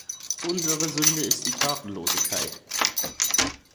Unsere Sünde ist die Tatenlosigkeit.